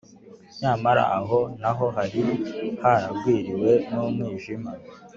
nyamara aho naho hari haragwiriwe n’umwijima